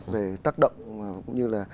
về tác động cũng như là